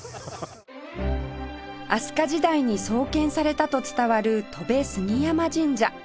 飛鳥時代に創建されたと伝わる戸部杉山神社